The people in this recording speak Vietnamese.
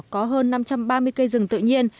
có hơn năm trăm ba mươi cây rừng tự nhiên